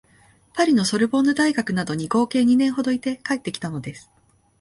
パリのソルボンヌ大学などに合計二年ほどいて帰ってきたのです